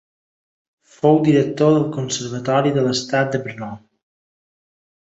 Fou director del Conservatori de l'Estat de Brno.